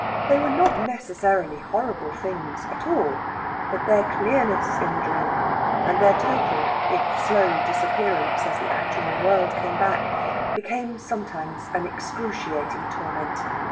They were not necessarily horrible things at all, but their clearness in the dream, and their total, if slow, disappearance as the actual world came back, became sometimes an excruciating torment.